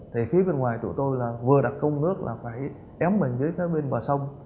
thì phía bên ngoài tụi tôi là vừa đặc công nước là phải ém mình dưới bên bờ sông